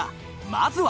まずは。